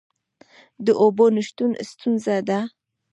د اوبو نشتون ستونزه ده؟